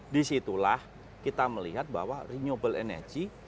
disitulah kita melihat bahwa renewable energy